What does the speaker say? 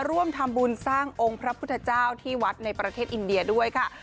ร่วมทำบุญสร้างองค์พระพุทธเจ้าที่วัดในประเทศอินเดียด้วยค่ะ